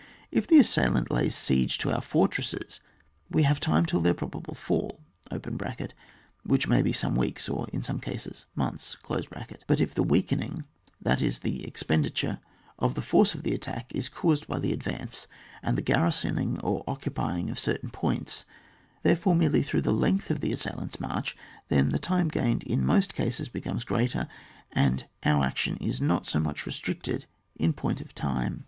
If the assailant lays siege to our fortresses, we have time till their probable fall, (which may be some weeks or in some cases months) ; but if the weakening, that is the expenditure, of the force of the attack is caused by the advance, and the garrisoning or occupa tion of certain points, therefore merely through the length of the assailant's march, then the time gained in most cases becomes greater, and our action is not so much restricted in point of time.